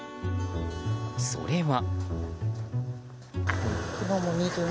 それは。